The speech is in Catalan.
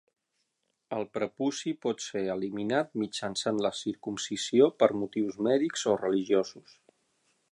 El prepuci pot ser eliminat mitjançant la circumcisió per motius mèdics o religiosos.